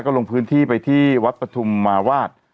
ก็ลงพื้นที่ไปที่วัดปฐุมมาวาด